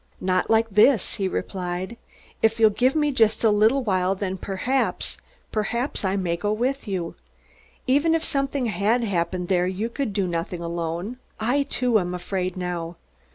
"Not like this," he replied. "If you'll give me just a little while then perhaps perhaps I may go with you. Even if something had happened there you could do nothing alone. I, too, am afraid now.